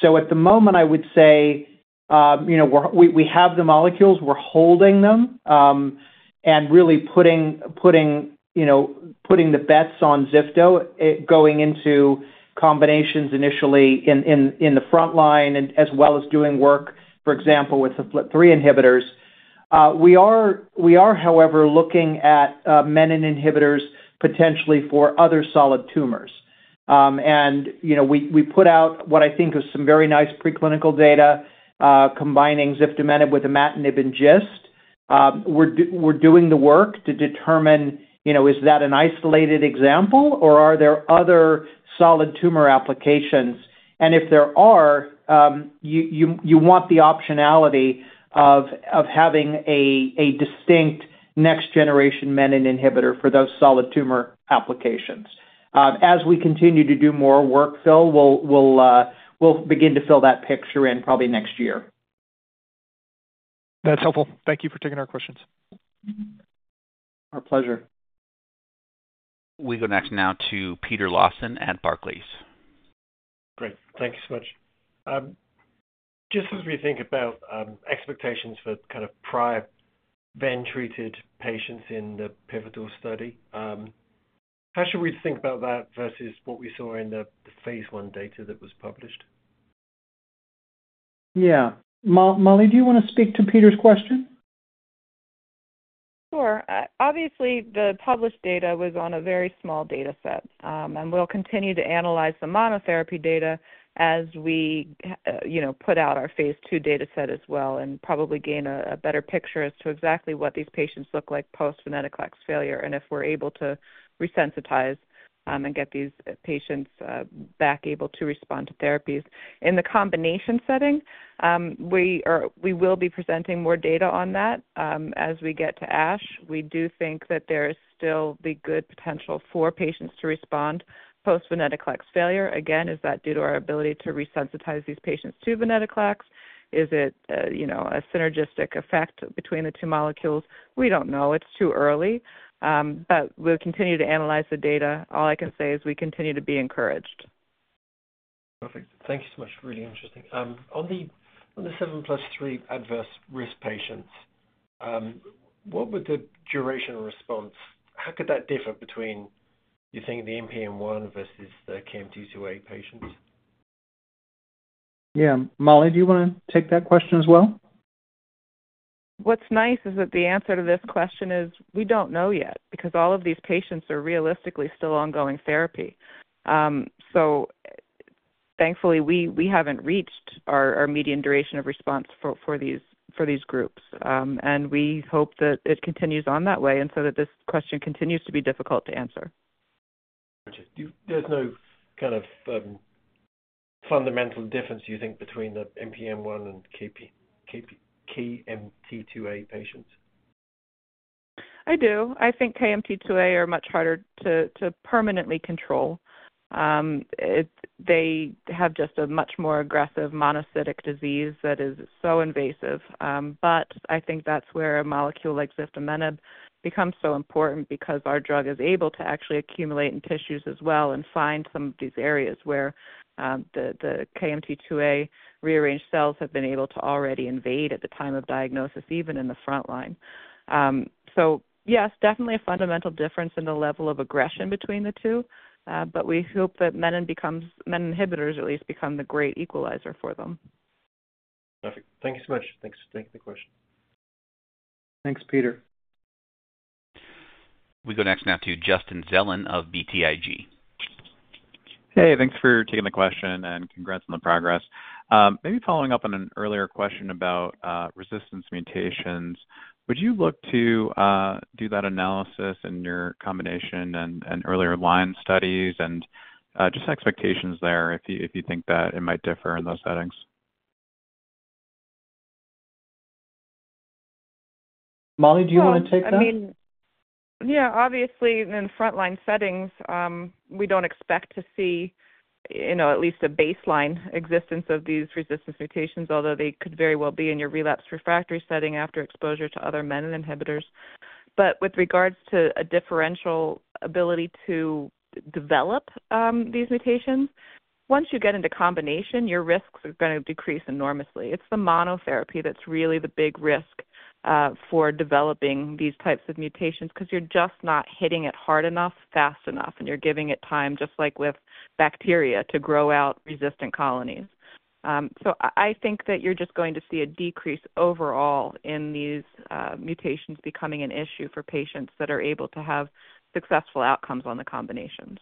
So at the moment, I would say we have the molecules. We're holding them and really putting the bets on Zifto going into combinations initially in the front line as well as doing work, for example, with the FLT3 inhibitors. We are, however, looking at menin inhibitors potentially for other solid tumors. And we put out what I think is some very nice preclinical data combining zifdomenib with imatinib and GIST. We're doing the work to determine, is that an isolated example, or are there other solid tumor applications? And if there are, you want the optionality of having a distinct next-generation menin inhibitor for those solid tumor applications. As we continue to do more work, Phil, we'll begin to fill that picture in probably next year. That's helpful. Thank you for taking our questions. Our pleasure. We go next now to Peter Lawson at Barclays. Great. Thank you so much. Just as we think about expectations for kind of prior VEN-treated patients in the Pivotal study, how should we think about that versus what we saw in the phase 1 data that was published? Yeah. Mollie, do you want to speak to Peter's question? Sure. Obviously, the published data was on a very small data set. We'll continue to analyze the monotherapy data as we put out our phase 2 data set as well and probably gain a better picture as to exactly what these patients look like post-venetoclax failure and if we're able to resensitize and get these patients back able to respond to therapies. In the combination setting, we will be presenting more data on that as we get to ASH. We do think that there is still the good potential for patients to respond post-venetoclax failure. Again, is that due to our ability to resensitize these patients to venetoclax? Is it a synergistic effect between the two molecules? We don't know. It's too early. But we'll continue to analyze the data. All I can say is we continue to be encouraged. Perfect. Thank you so much. Really interesting. On the 7+3 adverse risk patients, what would the duration response how could that differ between, you think, the NPM1 versus the KMT2A patients? Yeah. Mollie, do you want to take that question as well? What's nice is that the answer to this question is we don't know yet because all of these patients are realistically still ongoing therapy. So thankfully, we haven't reached our median duration of response for these groups. And we hope that it continues on that way and so that this question continues to be difficult to answer. Gotcha. There's no kind of fundamental difference, you think, between the NPM1 and KMT2A patients? I do. I think KMT2A are much harder to permanently control. They have just a much more aggressive monocytic disease that is so invasive. But I think that's where a molecule like ziftomenib becomes so important because our drug is able to actually accumulate in tissues as well and find some of these areas where the KMT2A-rearranged cells have been able to already invade at the time of diagnosis, even in the front line. So yes, definitely a fundamental difference in the level of aggression between the two. But we hope that menin inhibitors at least become the great equalizer for them. Perfect. Thank you so much. Thanks for taking the question. Thanks, Peter. We go next now to Justin Zelin of BTIG. Hey, thanks for taking the question and congrats on the progress. Maybe following up on an earlier question about resistance mutations, would you look to do that analysis in your combination and earlier line studies and just expectations there if you think that it might differ in those settings? Mollie, do you want to take that? I mean, yeah, obviously, in front-line settings, we don't expect to see at least a baseline existence of these resistance mutations, although they could very well be in your relapse-refractory setting after exposure to other menin inhibitors. But with regards to a differential ability to develop these mutations, once you get into combination, your risks are going to decrease enormously. It's the monotherapy that's really the big risk for developing these types of mutations because you're just not hitting it hard enough, fast enough, and you're giving it time, just like with bacteria, to grow out resistant colonies. So I think that you're just going to see a decrease overall in these mutations becoming an issue for patients that are able to have successful outcomes on the combinations.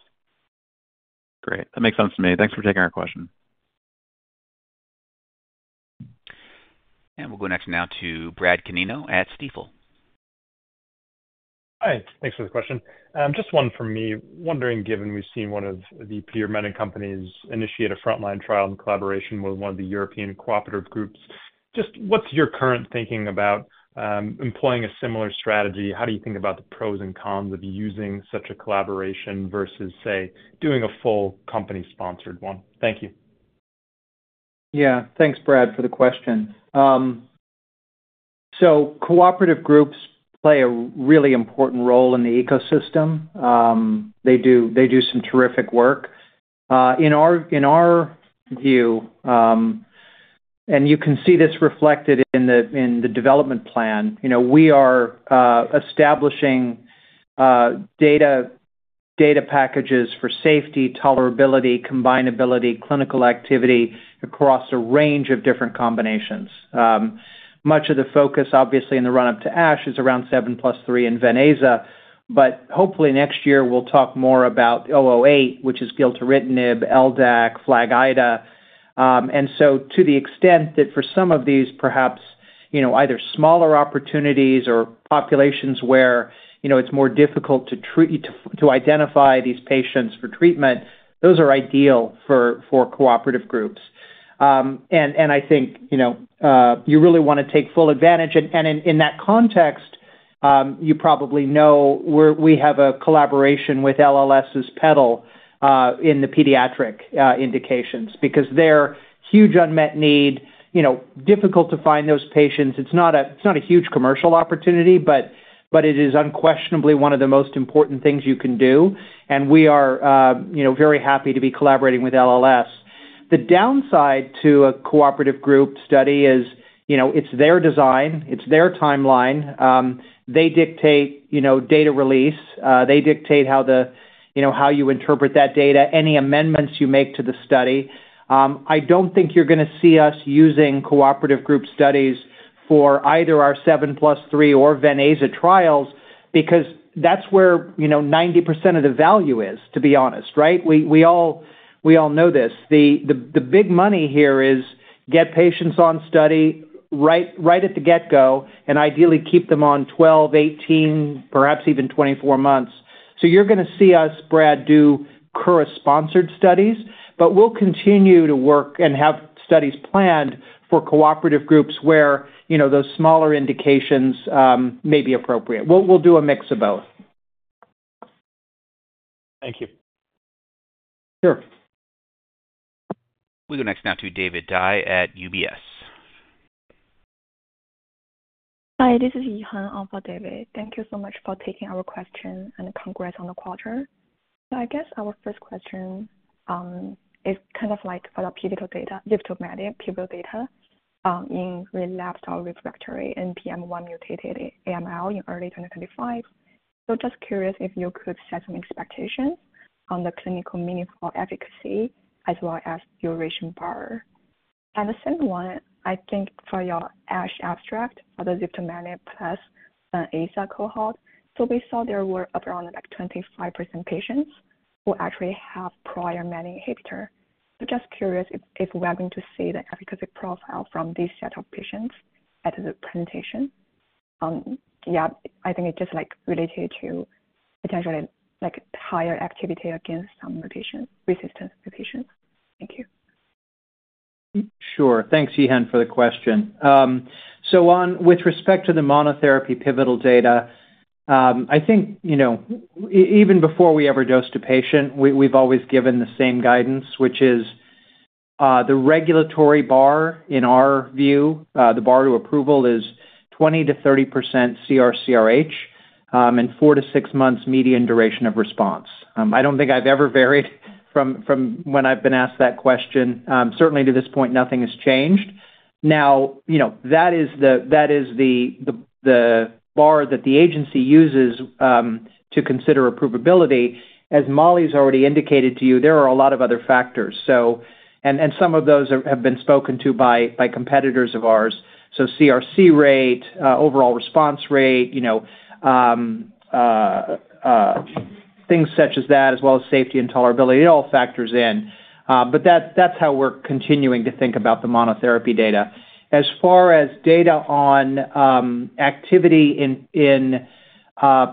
Great. That makes sense to me. Thanks for taking our question. We'll go next now to Brad Canino at Stifel. Hi. Thanks for the question. Just one from me. Wondering, given we've seen one of the menin companies initiate a front line trial in collaboration with one of the European cooperative groups, just what's your current thinking about employing a similar strategy? How do you think about the pros and cons of using such a collaboration versus, say, doing a full company-sponsored one? Thank you. Yeah. Thanks, Brad, for the question. So cooperative groups play a really important role in the ecosystem. They do some terrific work. In our view, and you can see this reflected in the development plan, we are establishing data packages for safety, tolerability, combinability, clinical activity across a range of different combinations. Much of the focus, obviously, in the run-up to ASH is around 7 plus 3 and Veneza. But hopefully, next year, we'll talk more about 008, which is gilteritinib, LDAC, FLAG-IDA. And so to the extent that for some of these, perhaps either smaller opportunities or populations where it's more difficult to identify these patients for treatment, those are ideal for cooperative groups. And I think you really want to take full advantage. And in that context, you probably know we have a collaboration with LLS's PedAL in the pediatric indications because they're huge unmet need, difficult to find those patients. It's not a huge commercial opportunity, but it is unquestionably one of the most important things you can do. And we are very happy to be collaborating with LLS. The downside to a cooperative group study is it's their design. It's their timeline. They dictate data release. They dictate how you interpret that data, any amendments you make to the study. I don't think you're going to see us using cooperative group studies for either our 7 plus 3 or Veneza trials because that's where 90% of the value is, to be honest, right? We all know this. The big money here is get patients on study right at the get-go and ideally keep them on 12, 18, perhaps even 24 months. So you're going to see us, Brad, do Kura-sponsored studies. But we'll continue to work and have studies planned for cooperative groups where those smaller indications may be appropriate. We'll do a mix of both. Thank you. Sure. We go next now to Yuhan Liang at UBS. Hi. This is Yuhan Liang. Thank you so much for taking our question and congrats on the quarter. So, I guess our first question is kind of like for the pivotal data, zifdomenib pivotal data in relapsed or refractory NPM1-mutated AML in early 2025. So, just curious if you could set some expectations on the clinically meaningful efficacy as well as duration bar. And the second one, I think for your ASH abstract for the zifdomenib plus Veneza cohort, so we saw there were around 25% patients who actually have prior menin inhibitor. So, just curious if we're going to see the efficacy profile from this set of patients at the presentation. Yeah, I think it's just related to potentially higher activity against some resistance mutations. Thank you. Sure. Thanks, Yuhan, for the question. With respect to the monotherapy pivotal data, I think even before we ever dose to patient, we've always given the same guidance, which is the regulatory bar, in our view, the bar to approval is 20%-30% CR/CRh and four to six months median duration of response. I don't think I've ever varied from when I've been asked that question. Certainly, to this point, nothing has changed. Now, that is the bar that the agency uses to consider approvability. As Mollie's already indicated to you, there are a lot of other factors. And some of those have been spoken to by competitors of ours. So CR rate, overall response rate, things such as that, as well as safety and tolerability, it all factors in. But that's how we're continuing to think about the monotherapy data. As far as data on activity in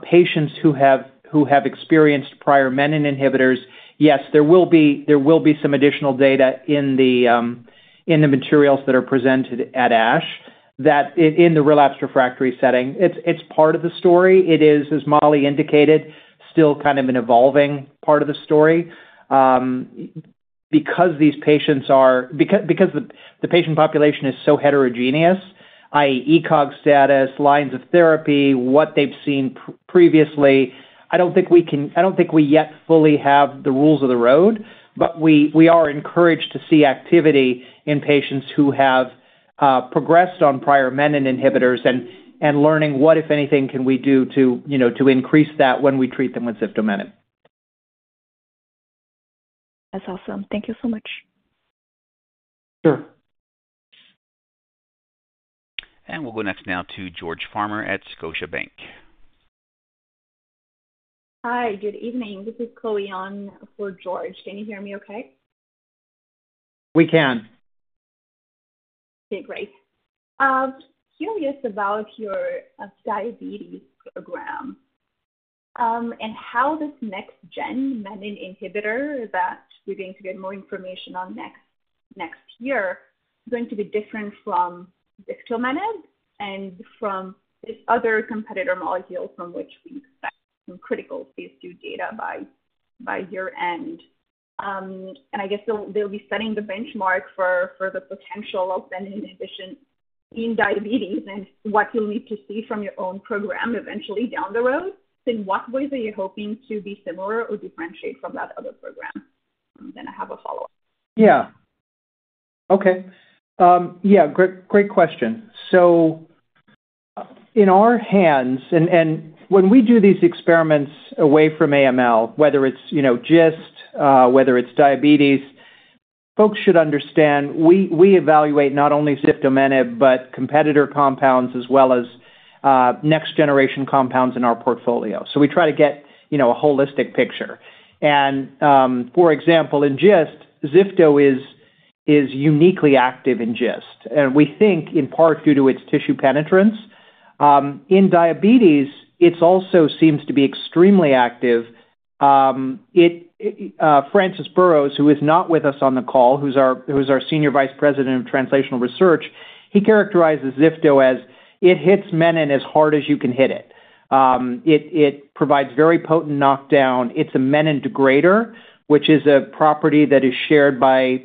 patients who have experienced prior menin inhibitors, yes, there will be some additional data in the materials that are presented at ASH in the relapsed refractory setting. It's part of the story. It is, as Mollie indicated, still kind of an evolving part of the story because the patient population is so heterogeneous, i.e., ECOG status, lines of therapy, what they've seen previously. I don't think we yet fully have the rules of the road. But we are encouraged to see activity in patients who have progressed on prior menin inhibitors and learning what, if anything, can we do to increase that when we treat them with zifdomenib. That's awesome. Thank you so much. Sure. And we'll go next now to George Farmer at Scotiabank. Hi. Good evening. This is Co-Yun Thum for George. Can you hear me okay? We can. Okay. Great. Curious about your diabetes program and how this next-gen menin inhibitor that we're going to get more information on next year is going to be different from ziftomenib and from other competitor molecules from which we some critical phase 2 data by year-end. I guess they'll be setting the benchmark for the potential of menin inhibition in diabetes and what you'll need to see from your own program eventually down the road. In what ways are you hoping to be similar or differentiate from that other program? Then I have a follow-up. Yeah. Okay. Yeah. Great question. So in our hands, and when we do these experiments away from AML, whether it's GIST, whether it's diabetes, folks should understand we evaluate not only ziftomenib but competitor compounds as well as next-generation compounds in our portfolio. We try to get a holistic picture. And for example, in GIST, Zifto is uniquely active in GIST. And we think in part due to its tissue penetrance. In diabetes, it also seems to be extremely active. Francis Burrows, who is not with us on the call, who's our Senior Vice President of Translational Research, he characterizes Zifto as it hits menin as hard as you can hit it. It provides very potent knockdown. It's a menin degrader, which is a property that is shared by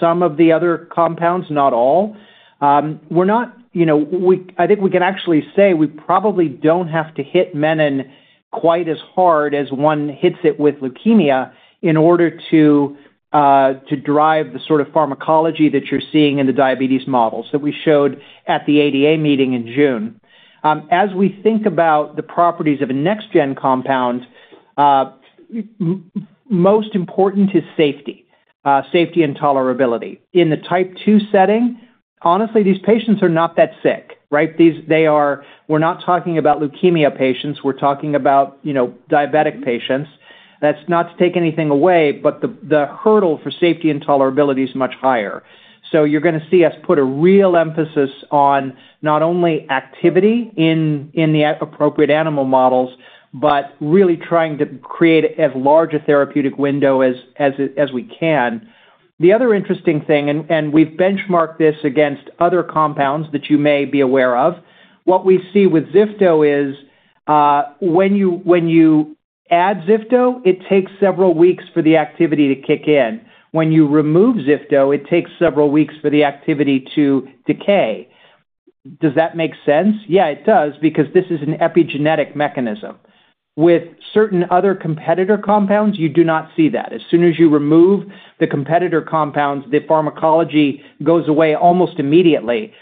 some of the other compounds, not all. We're not I think we can actually say we probably don't have to hit menin quite as hard as one hits it with leukemia in order to drive the sort of pharmacology that you're seeing in the diabetes models that we showed at the ADA meeting in June. As we think about the properties of a next-gen compound, most important is safety, safety and tolerability. In the type 2 setting, honestly, these patients are not that sick, right? We're not talking about leukemia patients. We're talking about diabetic patients. That's not to take anything away, but the hurdle for safety and tolerability is much higher. So you're going to see us put a real emphasis on not only activity in the appropriate animal models, but really trying to create as large a therapeutic window as we can. The other interesting thing, and we've benchmarked this against other compounds that you may be aware of, what we see with Zifto is when you add Zifto, it takes several weeks for the activity to kick in. When you remove Zifto, it takes several weeks for the activity to decay. Does that make sense? Yeah, it does because this is an epigenetic mechanism. With certain other competitor compounds, you do not see that. As soon as you remove the competitor compounds, the pharmacology goes away almost immediately,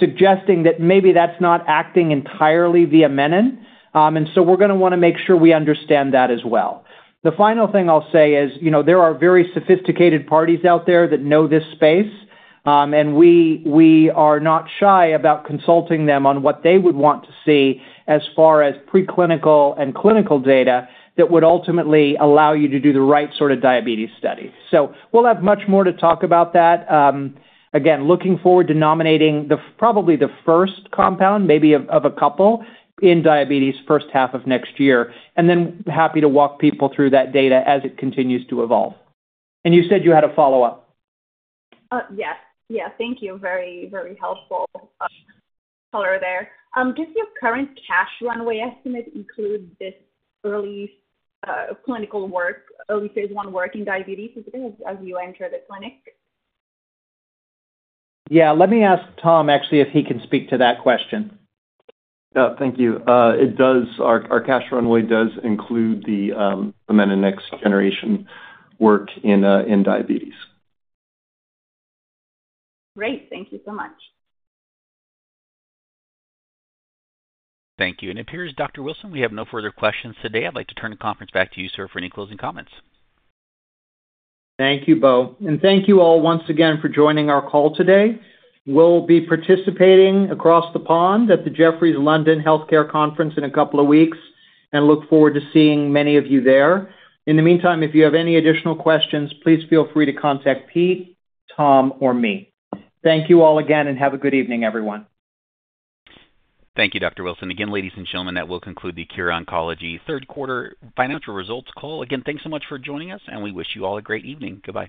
suggesting that maybe that's not acting entirely via menin. And so we're going to want to make sure we understand that as well. The final thing I'll say is there are very sophisticated parties out there that know this space. And we are not shy about consulting them on what they would want to see as far as preclinical and clinical data that would ultimately allow you to do the right sort of diabetes study. So we'll have much more to talk about that. Again, looking forward to nominating probably the first compound, maybe of a couple, in diabetes first half of next year. And then happy to walk people through that data as it continues to evolve. And you said you had a follow-up. Yes. Yeah. Thank you. Very, very helpful color there. Does your current cash runway estimate include this early clinical work, early phase one work in diabetes as you enter the clinic? Yeah. Let me ask Tom, actually, if he can speak to that question. Thank you. Our cash runway does include the menin next-generation work in diabetes. Great. Thank you so much. Thank you. And it appears, Dr. Wilson, we have no further questions today. I'd like to turn the conference back to you, sir, for any closing comments. Thank you, Bo. And thank you all once again for joining our call today. We'll be participating across the pond at the Jefferies London Healthcare Conference in a couple of weeks and look forward to seeing many of you there. In the meantime, if you have any additional questions, please feel free to contact Pete, Tom, or me. Thank you all again, and have a good evening, everyone. Thank you, Dr. Wilson. Again, ladies and gentlemen, that will conclude the Kura Oncology third-quarter financial results call. Again, thanks so much for joining us, and we wish you all a great evening. Goodbye.